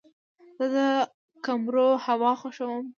زه د کمرو هوا خوښوم.